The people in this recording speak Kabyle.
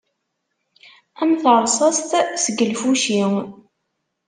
Am terṣaṣt seg lfuci.